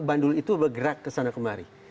bandul itu bergerak ke sana kemari